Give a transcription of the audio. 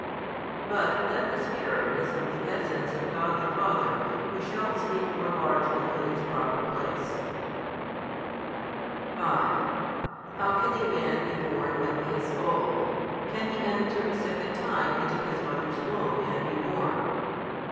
But that the Spirit is of the Essence of God the Father we shall speak more largely in its proper place. 5 How can a man be born when he is old? can he enter a second time into his mother's womb, and be born?